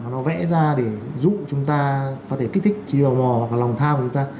nó vẽ ra để giúp chúng ta có thể kích thích chiều mò hoặc là lòng tham của chúng ta